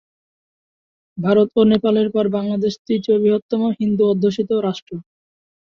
ভারত ও নেপালের পর বাংলাদেশ তৃতীয় বৃহত্তম হিন্দু-অধ্যুষিত রাষ্ট্র।